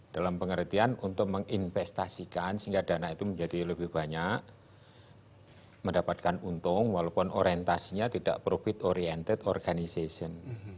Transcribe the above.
dalam pengertian untuk menginvestasikan sehingga dana itu menjadi lebih banyak mendapatkan untung walaupun orientasinya tidak profit oriented organization